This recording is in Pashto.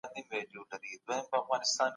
ترانسپورت باید سیلانیانو ته اسانتیاوي برابرې کړي.